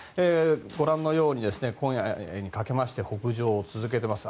ご覧のように、今夜にかけまして北上を続けています。